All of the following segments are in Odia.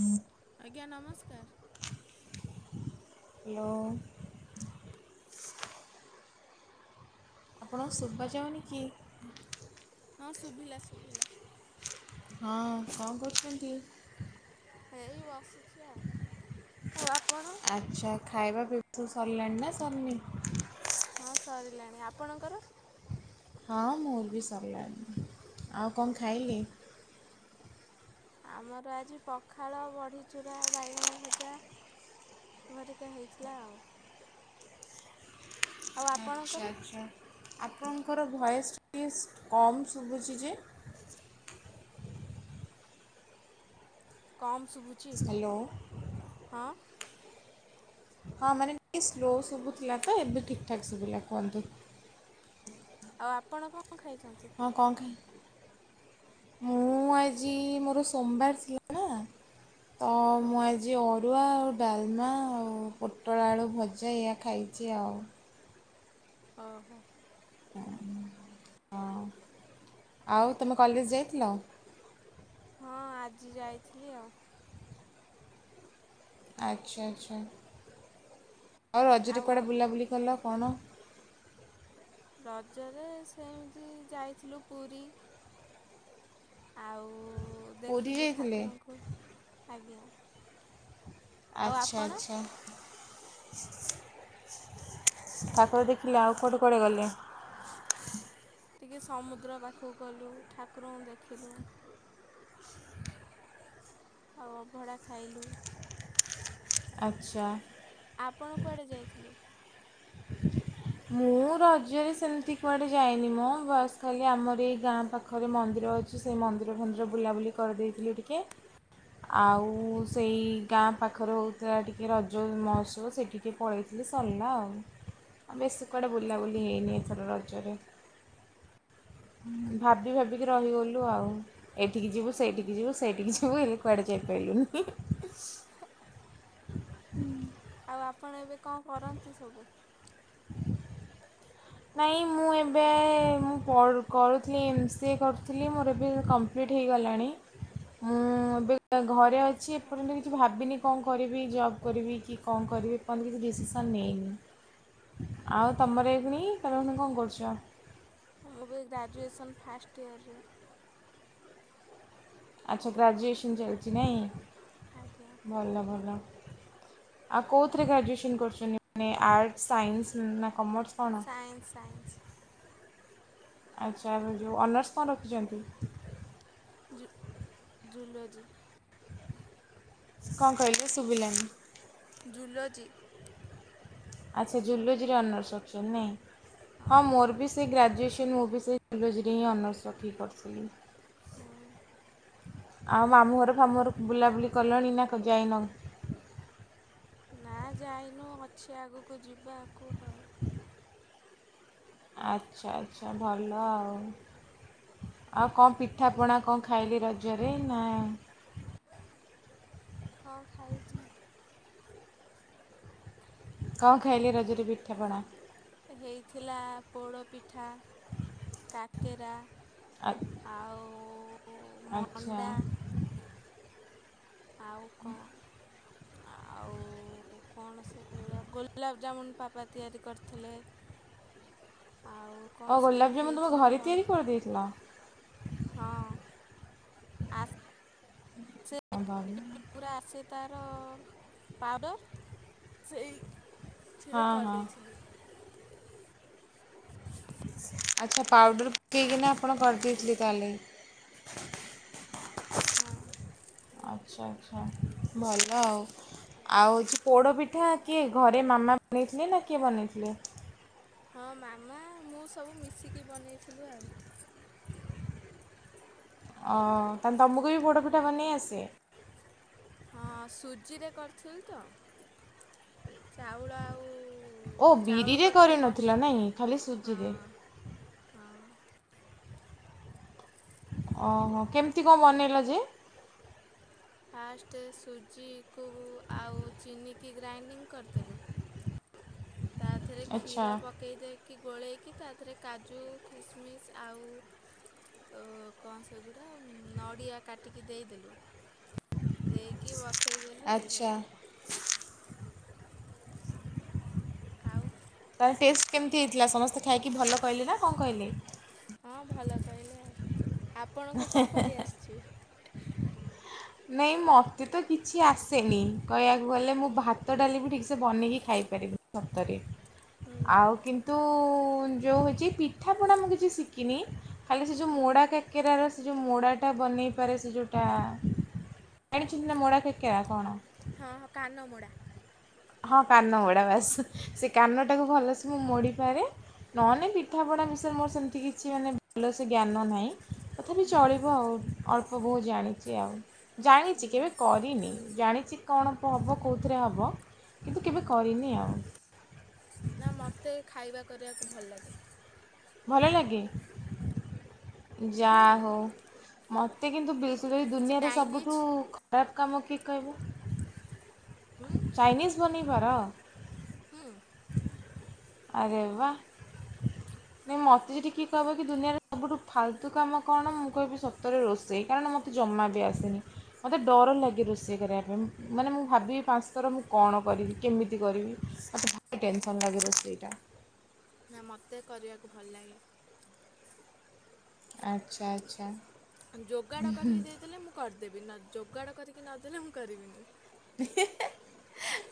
ହୁଁ ଆଜ୍ଞା ନମସ୍କାର। ହାଲୋ। ଆପଣ ଶୁବାଯାଉନି କି। ହଁ ଶୁଭିଲା ଶୁଭିଲା। ହଁ କଣ କରୁଛନ୍ତି? ହେଇ ବସିଚି ଆଉ ଆଉ ଆପଣ। ଆଚ୍ଛା ଖାଇବା ପିଇବା ବୁ ସରିଲାଣି ନା ସରନି। ହଁ ସରିଲାଣି ଆପଣଙ୍କର। ହଁ ମୋର ବି ସରଲାଣି ଆଉ କଣ ଖାଇଲେ? ଆମର ଆଜି ପଖାଳ, ବଢ଼ିଚୂୁରା, ବାଇଗଣ ଭଜା। [unintelligible] ରିକା ହେଇଥିଲା ଆଉ। ଆଉ ଆପଣଙ୍କର ଆଚ୍ଛା ଆଚ୍ଛା ଆପଣଙ୍କର ଭଏସ୍ [inaudible] କମ୍ ଶୁଭୁଛି ଯେ। କମ୍ ଶୁଭୁଛି ହ୍ୟାଲୋ ହଁ। ହଁ ମାନେ ଟିକେ ସ୍ଲୋ ଶୁଭୁଥିଲା ତ ଏବେ ଠିକ୍ ଠାକ୍ ଶୁଭିଲା କୁହନ୍ତୁ। ଆଉ ଆପଣ କଣ ଖାଇଛନ୍ତି? ହଁ କଣ ଖାଇ ମୁଁ ଆଜି ମୋର ସୋମବାର ଥିଲା ନା। ହଁ ତ ହଁ ମୁଁ ଆଜି ଅରୁଆ ଆଉ ଡାଲମା ଆଉ ପୋଟଳ ଆଳୁ ଭଜା ଏଇୟା ଖାଇଚି ଆଉ। ଅ ହୋ। ହଁ ଆଉ ତମେ କଲେଜ ଯାଇଥିଲ? ହଁ ଆଜି ଯାଇଥିଲି ଆଉ। ଆଚ୍ଛା ଆଚ୍ଛା ଆଉ ରଜରେ କୁଆଡ଼େ ବୁଲାବୁଲି କଲ କଣ? ରଜରେ ସେମିତି ଯାଇଥିଲୁ ପୁରୀ। ଆଉ ପୁରୀ ଦେଖିଲୁ ଯାଇଥିଲେ ଠାକୁରଙ୍କୁ ଆଜ୍ଞା। ଆଉ ଆଚ୍ଛା ଆପଣ? ଆଚ୍ଛା। ଠାକୁର ଦେଖିଲେ ଆଉ କୁଆଡେ କୁଆଡେ ଗଲେ। ଟିକିଏ ସମୁଦ୍ର ପାଖକୁ ଗଲୁ ଠାକୁରଙ୍କୁ ଦେଖିଲୁ। ଆଉ ଅଭଡ଼ା ଖାଇଲୁ। ଆଚ୍ଛା। ଆପଣ କୁଆଡ଼େ ଯାଇଥିଲେ। ମୁଁ ରଜରେ ସେମିତି କୁଆଡ଼େ ଯାଇନି ମୋ ବାସ୍ ଖାଲି ଆମର ଏଇ ଗାଁ ପାଖ ପାଖରେ ମନ୍ଦିର ଅଛି ସେଇ ମନ୍ଦିର ଫନ୍ଦିର ବୁଲାବୁଲି କରିଦେଇଥିଲି ଟିକିଏ ଆଉ। ସେଇ ଗାଁ ପାଖରେ ହଉଥିଲା ଟିକିଏ ରଜ ମହୋତ୍ସବ ସେଠିକି ପଳେଇଥିଲି ସଲା ଆଉ। ବେଶି କୁଆଡ଼େ ଓହୋ ବୁଲାବୁଲି ହେଇନି ଏଥର ରଜରେ। ଭାବି ଭାବିକି ରହିଗଲୁ ଆଉ। ଏଠିକି ଯିବୁ ସେଇଠିକି ଯିବୁ ସେଇଠିକି ଯିବୁ ଏଲେ କୁଆଡେ ଯାଇପାଇଲୁନି। ଆଉ ଆପଣ ଏବେ କଣ କରନ୍ତି ସବୁ? ନାଇଁ ମୁଁ ଏବେ ଏ ମୁଁ ପ କରୁଥିଲି ଏମ୍ ସି ଏ କରୁଥିଲି ମୋର ଏବେ କମ୍ପ୍ଲିଟ୍ ହେଇଗଲାଣି। ମୁଁ ଏବେ ଘରେ ଅଛି ଏପର୍ଯ୍ୟନ୍ତ କିଛି ଭାବିନି କଁ କରିବି ଜବ କରିବି କି କଁ କରିବି। ଏପନ୍ତ କିଛି ଡିସିସନ୍ ନେଇନି ଆଉ ତମର ଏଇଖୁଣି ତମେ ଏଇଖୁଣି କଣ କରୁଚ? ମୁଁ ବି ଗ୍ରାଜୁଏସନ୍ ଫାଷ୍ଟ ଇୟରରେ। ଆଚ୍ଛା ଗ୍ରାଜୁଏସନ୍ ଚାଲିଚି ନାଇଁ। ଆଜ୍ଞା। ଭଲ ଭଲ। ଆଉ କଉଥିରେ ଗ୍ରାଜୁଏସନ୍ କରୁଛନ୍ତି ମାନେ ଆର୍ଟସ୍ ସାଇନ୍ସ ନା କମର୍ସ କ ଣ? Science science. ଆଚ୍ଛା ଏବେ ଯୋଉ ଅନର୍ସ କଣ ରଖିଚନ୍ତି? ଜୁ ଜୁଲୋଜି। କଁ କହିଲେ ଶୁବିଲାନି। ଜୁଲୋଜି। ଆଚ୍ଛା ଜୁଲୋଜିରେ ଅନର୍ସ ରଖିଛନ୍ତି ନାଇଁ। ହଁ ମୋର ବି ସେ ଗ୍ରାଜୁଏସନ୍ ମୁବି ସେଇ ଜୁଲୋଜିରେ ହିଁ ଅନର୍ସରଖି ପଢୁଥିଲି। ହୁଁ ଉଁ। ଆଉ ମାମୁଁ ଘର ଫାମୁଁ ଘର ବୁଲାବୁଲି କଲଣି ନା ଯାଇନ? ନା ଯାଇନୁ ଅଛି ଆଗକୁ ଯିବାକୁ। ଆଉ ଆଚ୍ଛା ଆଚ୍ଛା ଭଲ ଆଉ। ଆଉ କଁ ହଁ। ପିଠାପଣା କଁ ଖାଇଲି ରଜରେ ନା ହଁ ଖାଇଛି ମୁଁ। କଁ ଖାଇଲେ ରଜରେ ପିଠାପଣା? ହେଇଥିଲା ପୋଡ଼ପିଠା, କାକେରା। ଆ- ଆଉ ଆଚ୍ଛା। ମଣ୍ଡା ଆଉ କଁ ଆଉ କଣ ସେ ପୁରା ଗୋଲାପ ଜାମୁନ ପାପା ତିଆରି କରିଥିଲେ, ଆଉ ଓ କଣ ସେମିତି ଗୋଲାପଜାମୁନ ତୁମେ ହେଇଥିଲା ଘରେ ତିଆରି ମନ କରିଦେଇଥିଲ ହଁ। ଆସେ [unintelligible] ପୁରା ଆସେ ତାର ପାଉଡ଼ର ସେଇ ଥିରେ ହଁ ହଁ କରିଦେଇଥିଲି। ଆଚ୍ଛା ପାଉଡର ପକେଇକିନା ଆପଣ କରିଦେଇଥିଲେ ତାହଲେ। ଆଛା ଆଛା ଭଲ ଆଉ। ଆଉ ହଉଛି ପୋଡ଼ ପିଠା କିଏ ଘରେ ମାମା ବନେଇଥିଲେ ନା କିଏ ବନେଇଥିଲେ? ହଁ ମାମା ମୁଁ ସବୁ ମିଶିକି ବନେଇଥିଲୁ ଆଉ। ଅ ତାନେ ତମକୁ ବି ପୋଡ଼ ପିଠା ବନେଇ ଆସେ? ହଁ ସୁଜିରେ କରିଥିଲି ତ ଚାଉଳ ଆଉ ଓ ଚାଉଳ ବିରିରେ କରିଥିଲେ କରିନଥିଲ ନାଇଁ ଖାଲି କଷ ହଁ ସୁଜିରେ ହଁ। ଅ ହଁ କେମିତି କଣ ବନେଇଲ ଯେ? ଫାଷ୍ଟ ସୁଜିକୁ ଆଉ ଚିନିିକି ଗ୍ରାଇଣ୍ଡିଙ୍ଗ କରଦେଲୁ। ତା ଧେରେ ଆଚ୍ଛା କ୍ଷୀର ପ ପକେଇ ଦେଇକି ଗୋଳେଇକି ତା ଦେରେ କାଜୁ ଖିସମିସ୍ ଆଉ ତୋ କଣ ସେଗୁରା ନଡ଼ିଆ କାଟିକି ଦେଇଦେଲୁ। ଦେଇକି ବସେଇଦେଲୁ ଆଚ୍ଛା ହେଇଗଲା ଆଉ। ଆଉ। ତାର ଟେଷ୍ଟ କେମିତି ହେଇଥିଲା ସମସ୍ତେ ଖାଇକି ଭଲ କହିଲେ ନା କଣ କହିଲେ? ହଁ ଭଲ କହିଲେ ଆଉ ଆପଣଙ୍କୁ କଣ କରି ଆସିଚି? ନାଇଁ ମତେ ତ କିଛି ଆସେନି। କହିବାକୁ ଗଲେ ମୁଁ ହୁଁ ଭାତ ଡାଲି ବି ଠିକ୍ସେ ବନେଇକି ଖାଇପାରିବି ସତରେ। ହୁଁ ଆଉ କିନ୍ତୁ ଯେଉଁ ହେଉଛି ପିଠାପଣା ମୁଁ କିଛି ଶିଖିନି। ଖାଲି ସେ ଯେଉଁ ହୁଁ ମୋଡ଼ା କେକେରାର ସେ ଯେଉଁ ମୋଡ଼ାଟା ବନେଇପାରେ ସେ ଯଉଟା ଏଣି ଚିନ୍ତା ମୋଡ଼ା କେ କେରା କଣ। ହଁ କାନମୋଡ଼ା। ହଁ କାନମୋଡା ବାସ ସେ କାନଟାକୁ ଭଲସେ ମୁଁ ମୋଡ଼ିପାରେ ନହନେ ପିଠାପଣା ବିଷୟରେ ମୋର ସେମିତି କିଛି ମାନେ ଭଲ ସେ ଜ୍ଞାନ ନାହିଁ। ତଥାପି ହୁଁ ଚଳିବ ଆଉ ଅଳ୍ପ ବହୁତ ଜାଣିଛି ଆଉ ଜାଣିଛି କେବେ କରିନି। ଜାଣିଛି କଣ ହେବ କେଉଁଥିରେ ହେବ କିନ୍ତୁ ହୁଁ କେବେ କରିନି ଆଉ ନା ମୋତେ ଖାଇବା କରିବାକୁ ଭଲ ଲାଗେ ଭଲ ଲାଗେ। ହୁଁ ଯାହା ହଉ ମୋତେ କିନ୍ତୁ ବି ଦୁନିଆରେ ଚାଇନିଜ୍ ସବୁଠୁ ଖରାପ କାମ କି କହିବୁ ହୁଁ ଚାଇନିଜ ବନେଇବାର। ହୁଁ। ଆରେ ବା। ନାଇଁ ମୋତେ ଯଦି କିଏ କହିବ କି ଦୁନିଆରେ ସୁଠୁ ଫାଲତୁ କାମ କଣ ମୁଁ କହିବି ସତରେ ରୋଷେଇ କାରଣ ମୋ ଜମା ବି ଆସିନି। ମୋତେ ଡର ଲାଗେ ରୋଷେଇ କରିବା ପାଇଁ ମାନେ ମୁଁ ଭାବିବି ପାଞ୍ଚ ଥର ମୁଁ କଣ କରିବି କେମିତି କରିବି। ମତେ ଭାରି ଟେନସନ୍ ଲାଗେ [unintelligible] ସେଇଟା। ନା ମୋତେ କରିବାକୁ ଭଲ ଲାଗେ। ଆଚ୍ଛା ଆଚ୍ଛା। ଯୋଗାଡ଼ କରିକି ଦେଇଦେଲେ ମୁଁ କରିଦେବି ଯୋଗାଡ଼ କରିକି ନଦେଲେ ମୁଁ କରିବିନି।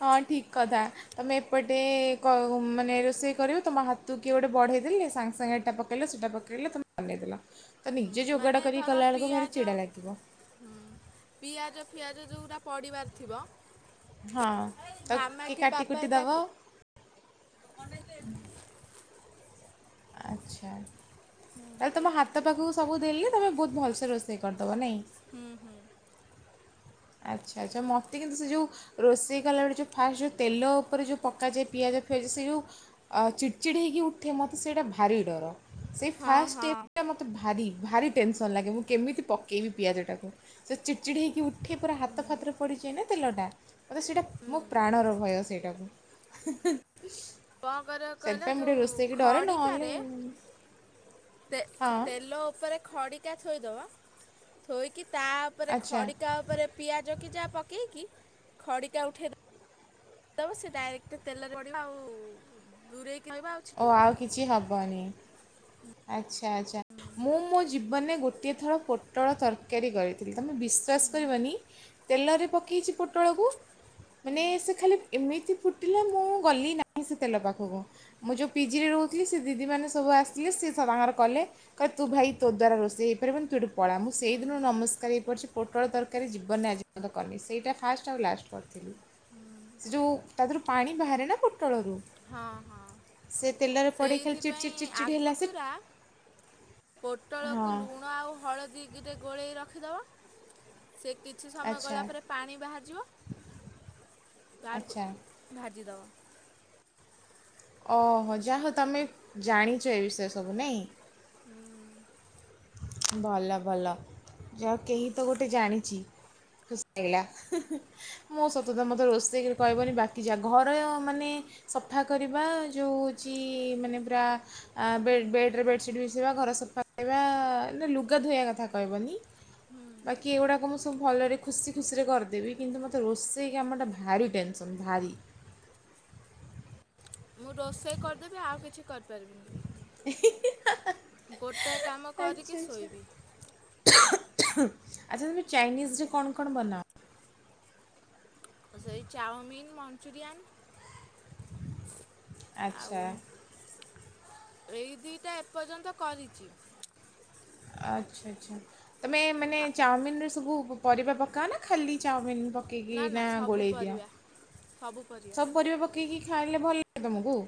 ହଁ ଠିକ୍ କଥା। ତମେ ଏପଟେ ମାନେ ରୋଷେଇ କରିବ ତମ ହାତକୁ କିଏ ଗୋଟେ ବଢ଼େଇ ଦେେଲି ସାଙ୍ଗେ ସାଙ୍ଗେ ଏଟା ପ କେଇ ସେଇଟା ପକେଇଲେ ତମେ ବନେଇ ଦେେଲ ତ ନିଜେ ହୁଁ, ମାନେ ଯୋଗାଡ଼ କରିକି ଧର କଲାବେଳକୁ ଭାରି ପିଆଜ ଚିଡ଼ା ଲାଗିବ। ହୁଁ ପିଆଜ ଫିଆଜ ଯେଉରା ପଡ଼ିବାର ଥିବ ହଁ ତ ମାମା କିଏ କି କାଟି ବାପା କୁଟି ଦେବ ତାକୁ ଆଚ୍ଛା ତାହେଲେ ତୁମ ହାତ ପାଖକୁ ସବୁ ଦେଲି ତୁମେ ବହୁତ ଭଲସେ ରୋଷେଇ କରିଦେବ ନାଇଁ। ହୁଁ ହୁଁ। ଆଚ୍ଛା ଆଚ୍ଛା ମୋତେ କିନ୍ତୁ ସେ ଯଉଁ ରୋଷେଇ କଲାବେଳେ ଯେଉଁ ଫାଷ୍ଟ ଯେଉଁ ତେଲ ଉପରେ ଯେଉଁ ପକାଯାଏ ପିଆଜ ପିଆଯା ସେ ଯେଉଁ ଚିଡ଼ଚିଡ଼ି ହେଇକି ଉଠେ ମୋତେ ସେଇଟା ଭାରି ଡର ସେଇ ହଁ ଫାଷ୍ଟ ହଁ ସେଟା ମୋତେ ଭାରି ଭାରି ଟେନସନ୍ ଲାଗେ ମୁଁ କେମିତି ପକେଇବି ପିଆଜଟାକୁ ସେ ଚିଡ଼ ଚିଡ଼ି ହେଇକି ଉଠ ଉଠି ପୁରା ହାତ ଫାତରେ ପଡ଼ି ଯାଏନା ତେଲଟା ମୋତେ ସେଇଟା ମୋ ହୁଁ ପ୍ରାଣର ଭୟ ସେଇଟାକୁ। ହୁଁ ହୁଁ। କଣ କରିବ କହିଲା ଯୋଉ ନହେଲେ ଖଡିକାରେ ତେ ହଁ ତେଲ ଉପରେ ଖଡ଼ିକା ଥୋଇଦବ ଥୋଇକି ତା ଉପରେ ଆଚ୍ଛା ଖଡ଼ିକା ଉପରେ ପିଆଜ କି ଯାହା ପକେଇକି ଖଡ଼ିକା ଉଠ ଦବ ସେ ଡାଇରେକ୍ଟ୍ ତେଲରେ ପଡିବ ଆଉ ଦୂରେଇକି ରହିବ ଆଉ ଓ ଛିଟିବନି। ଆଉ କିଛି ହବନି। ଆଚ୍ଛା ଆଚ୍ଛା ମୁଁ ମୋ ଜୀବନରେ ଗୋଟିଏ ଥର ପୋଟଳ ତରକାରୀ କରି ଥିଲି ତମେ ବିଶ୍ୱାସ କରିବନି ତେଲରେ ପକେଇଚି ପୋଟଳକୁ ମାନେ ସେ ଖାଲି ଏମିତି ଫୁଟିଲା ମୁଁ ଗଲି ନାହିଁ ସେ ତେଲ ପାଖକୁ ମୁଁ ଯଉ ପିଜିରେ ରହୁ ସେ ଦିଦି ମାନେ ସବୁ ଆସିଲେ ସେ ତାଙ୍କର କଲେ କହିଲେ ତୁ ଭାଇ ତୋ ଦ୍ୱାରା ରୋଷେଇ ହେଇପାରିବନ ତୁ ଏଠୁ ପଳା ମୁଁ ସେଇଦିନରୁ ନମସ୍କାର ହେଇପଡିଚି ପୋଟଳ ତରକାରୀ ଜୀବନରେ ଆଜି ପର୍ଯ୍ୟନ୍ତ କରିନି ସେଇଟା ଫାଷ୍ଟ୍ ଆଉ ଲାଷ୍ଟ୍। କରିଥିଲି ସେ ଯଉ ତା ଦେହରୁ ପାଣି ବାହାରେ ନା ପୋଟଳରୁ ହଁ -ହଁ ସେ ତେଲରେ ପଡ଼େଇ ଖାଲି ଚିଡ଼ ଚିଡ଼ ସେଇଥିପାଇଁ ଚିଡ଼ ଚିଡ଼ ହେଲା ସେ ଆଗତୁରା ପୋଟଳକୁ ହଁ ଲୁଣ ଆଉ ହଳଦୀରେ ଗୋଳେଇ ରଖିଦବ ସେ କିଛି ସମୟ ଆଚ୍ଛା ଗଲା ପରେ ପାଣି ବାହାରିଯିବ [unintelligible] ଆଚ୍ଛା ଭାଜି ଦବ। ଓହୋ-ଯାହଉ ତମେ ଜାଣିଚ ଏ ବିଷୟରେ ସବୁ ନାଇଁ। ହୁଁ। ଭଲ ଭଲ ଯାହଉ କେହି ତ ଗୋଟେ ଜାଣିଚି। ଫୁସ୍କେଇଲା ହେଁ -ହେଁ। ମୁଁ ସତକଥା ମତେ ରୋଷେଇ କହିବନି ବାକି ଯାହା ଘରେ ଅ-ମାନେ ସଫା କରିବା ଯଉ ହଉଚି ମାନେ ପୁରା ଆ- ବେଡ୍- ବେଡ୍ ରେ ବେଡସିଟ୍ ବିଛେଇବା ଘର ସଫା କରିବା, କିନ୍ତୁ ଲୁଗା ଧୋଇବା କଥା କହିବନି। ବାକି ଏଗୁଡାକ ମୁଁ ସବ୍ ତୁ ଭଲରେ ଖୁସି ଖୁସିରେ କରଦେବି କିନ୍ତୁ ମତେ ରୋଷେଇ କାମଟା ଭାରି ଟେନସନ୍ ଭାରି ମୁଁ ରୋଷେଇ କରିଦେବି ଆଉ କିଛି କରିପାରିବିନି। ଏ-ହି- ହାଁ-ହାଁ। ଗୋଟାଏ କାମ କରିକି ଶୋଇବି। ଆଚ୍ଛା ତୁମେ ଚାଇନିଜ୍ ରେ କଣ କଣ ବନାଅ? ସେଇ ଚାଓମିିନ୍, ମଂଚୁରିୟାନ୍ ଆଉ ଆଚ୍ଛା ଏଇ ଦିଟା ଏପର୍ଯ୍ୟନ୍ତ କରିଚି। ଆଚ୍ଛା -ଆଚ୍ଛା ତମେ ମାନେ ଚାଓମିନ୍ ରେ ସବୁ ପରିବା ପକାଅନା ଖାଲି ଚାଓମିନ୍ ପକା ନା ନା ପକେଇକିନା ସବୁ ଗୋଳେଇ ଦିଅ ପରିବା ସବୁ ପରିବା ପକ୍ ପକେଇକି ଖାଇଲେ ଭଲ ଲାଗେ ତମୁକୁ?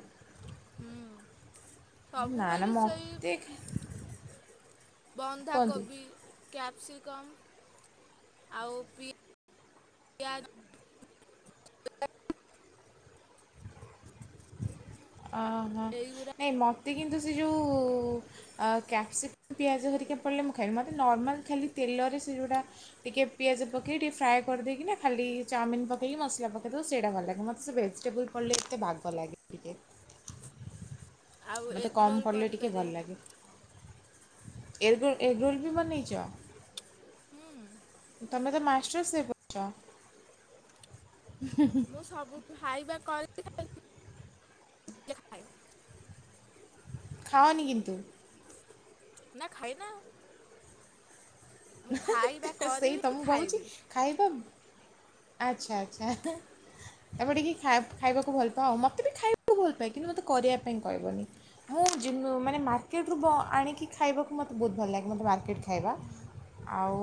ହୁଁ- ସବୁ ବେଳେ ବି ସେଇ ମୋତେ କୁହନ୍ତୁ ବନ୍ଧାକୋବି, କ୍ୟାପ୍ସିକମ୍ ଆଉ ପି ପିଆଜ ଅ- ହ ଏଇଗୁରା ନାଇଁ ମତେ କିନ୍ତୁ ସେ ଯଉ ଆ-କ୍ୟାପ୍ସିକମ୍, ପିଆଜ ହେରିକା ପଡ଼ଲେ ମୁଁ ଖାଇବି ମତେ ନର୍ମାଲ୍ ଖାଲି ତେଲରେ ସେ ଯଉଟା ଟିକେ ପିଆଜ ପକେଇ ଟିକେ ଫ୍ରାଏ କରିଦେଇକିନା ଖାଲି ଚାଓମିନ୍ ପକେଇକି ମସଲା ପକେଇ ଦବ ସେଟା ଭଲ୍ ଲାଗେ ମତେ ସେ ଭେଜିଟେବୁଲ୍ ପଡିଲେ ଏତେ ବାଗ ଲାଗେନି ଟିକେ। ଆଉ ମତେ ଏଗ କମ୍ ରୋଲ ପଡ଼ଲେ ଟିକେ କରିପାରେ ଭଲ୍ ଲାଗେ- ଏଗ୍ ରୋଲ୍- ଏଗ୍ ରୋଲ୍ ବି ବନେଇଚ? ହୁଁ। ତମେ ତ ମାଷ୍ଟର୍ ସେପ୍ ଅଛ। ମୁଁ ସବୁ ଖାଇବା କରି କି [inaudible] ଖାଅନି କିନ୍ତୁ? ନା ଖାଏନା। ଖାଇବା [unintelligible] ଏ ସେଇ ତ କରିବି ମୁଁ ଭାବୁଚି ଖାଇବି ଖାଇବା -ଆଚ୍ଛା-ଆଚ୍ଛା। ଏପଟିକି ଖା- ଖାଇବାକୁ ଭଲ୍ ପାଅ ମତେ ବି ଖାଇବାକୁ ଭଲ୍ ପାଏ କିନ୍ତୁ ମତେ କରିବା ପାଇଁ କହିବନି। ମୁଁ ଜିନୁ ମାନେ ମାର୍କେଟ୍ ରୁ ବ- ଆଣିକି ଖାଇବାକୁ ମତେ ବହୁତ୍ ଭଲ ଲାଗେ ମତେ ମାର୍କେଟ୍ ଖାଇବା। ଆଉ